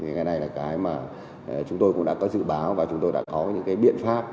cái này là cái mà chúng tôi cũng đã có dự báo và chúng tôi đã có những cái biện pháp